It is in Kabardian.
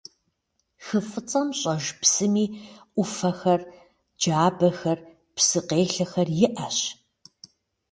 Хы Фӏыцӏэм щӏэж псыми ӏуфэхэр, джабэхэр, псы къелъэхэр иӏэщ.